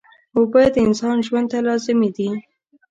اوبه د انسان ژوند ته لازمي دي